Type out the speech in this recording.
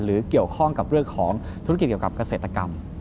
เกี่ยวข้องกับเรื่องของธุรกิจเกี่ยวกับเกษตรกรรม